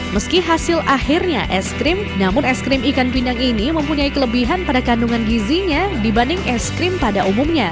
meski hasil akhirnya eskrim namun eskrim ikan pindang ini mempunyai kelebihan pada kandungan gizinya dibanding eskrim pada umumnya